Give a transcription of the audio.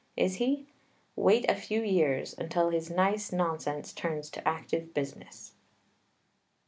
Is he? Wait a few years, until his nice nonsense turns to active business!